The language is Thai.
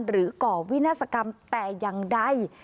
หรือก่อวินาศกรรมแต่ยังได้